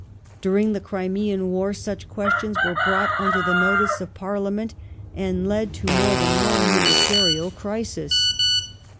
During the Crimean War such questions were brought under the notice of Parlia ment, and led to more than one ministerial crisis.